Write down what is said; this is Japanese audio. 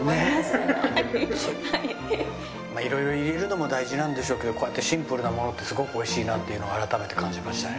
色々入れるのも大事なんでしょうけどこうやってシンプルなものってすごく美味しいなっていうのを改めて感じましたね